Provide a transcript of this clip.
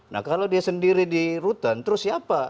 nah kalau dia sendiri di rutan terus siapa